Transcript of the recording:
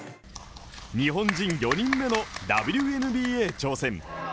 日本人４人目のＷＮＢＡ挑戦。